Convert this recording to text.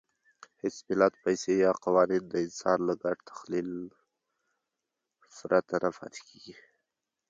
هېڅ ملت، پیسې یا قوانین د انسان له ګډ تخیل پرته نه پاتې کېږي.